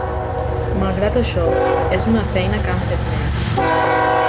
Malgrat això, és una feina que han fet nens.